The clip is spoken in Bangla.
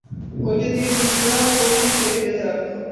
ঐটে দিয়ে শিষ্যেরা কৌপীন এঁটে বেঁধে রাখত।